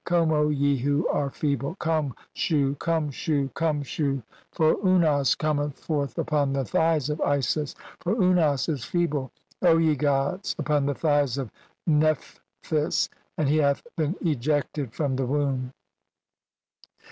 Come, O ye who "are feeble. Come, Shu. Come, Shu. Come, Shu. For "Unas cometh forth upon the thighs of Isis, for Unas "is feeble, O ye gods, upon the thighs of Nephthys, "and he hath been ejected [from the womb]."